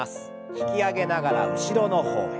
引き上げながら後ろの方へ。